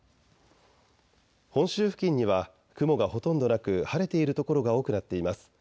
本州付近には雲がほとんどなく晴れている所が多くなっています。